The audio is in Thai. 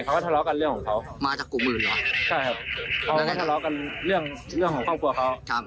เขาบอกมีใครจะยุ่งไหมผมบอกไม่ยุ่งครับมันเรื่องครอบครัว